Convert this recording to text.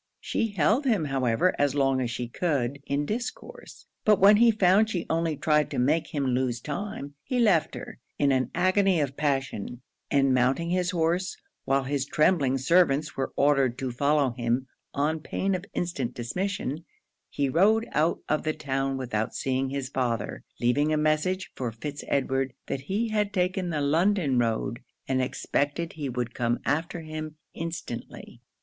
She held him, however, as long as she could, in discourse. But when he found she only tried to make him lose time, he left her, in an agony of passion, and mounting his horse, while his trembling servants were ordered to follow him on pain of instant dismission, he rode out of the town without seeing his father, leaving a message for Fitz Edward that he had taken the London road, and expected he would come after him instantly.